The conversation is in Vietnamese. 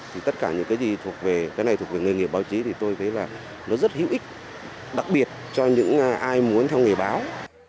thì tất cả những cái gì thuộc về cái này thuộc về nghề nghiệp báo chí thì tôi thấy là nó rất hữu ích đặc biệt cho những ai muốn theo nghề báo